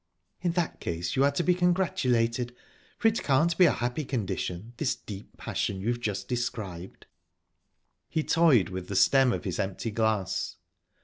"In that case you are to be congratulated, for it can't be a happy condition this deep passion you have just described." He toyed with the stem of his empty glass.